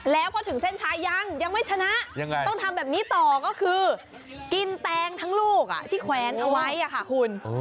แล้วพอถึงเส้นชายยังยังไม่ชนะต้องทำแบบนี้ต่อก็คือกินแตงทั้งลูกที่แขวนเอาไว้ค่ะคุณ